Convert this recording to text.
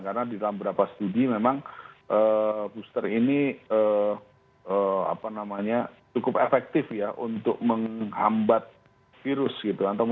karena di dalam beberapa studi memang booster ini cukup efektif ya untuk menghambat virus gitu